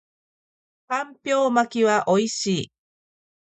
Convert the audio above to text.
干瓢巻きは美味しい